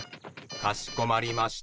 かしこまりました。